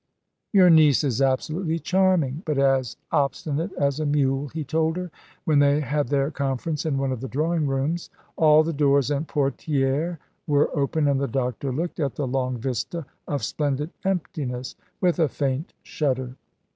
"Your niece is absolutely charming; but as obstinate as a mule," he told her, when they had their conference in one of the drawing rooms. All the doors and portières were open, and the doctor looked at the long vista of splendid emptiness with a faint shudder.